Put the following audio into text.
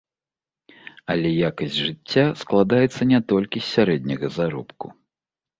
Але якасць жыцця складаецца не толькі з сярэдняга заробку.